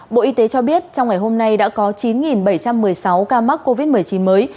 bộ y tế cho biết trong ngày hôm nay đã có chín bảy trăm một mươi sáu ca mắc covid một mươi chín mới